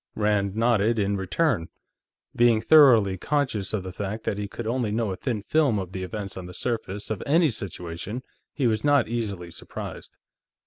Rand nodded in return. Being thoroughly conscious of the fact that he could only know a thin film of the events on the surface of any situation, he was not easily surprised.